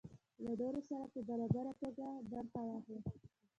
له نورو سره په برابره توګه برخه واخلي.